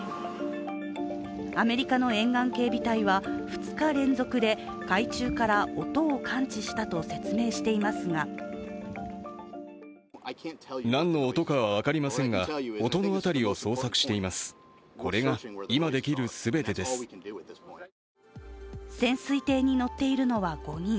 アメリカの沿岸警備隊は、２日連続で海中から音を感知したと説明していますが潜水艇に乗っているのは５人。